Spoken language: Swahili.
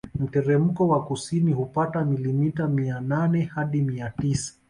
Mteremko wa kusini hupata milimita mia nane hadi mia tisa